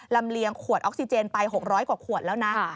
เลียงขวดออกซิเจนไป๖๐๐กว่าขวดแล้วนะ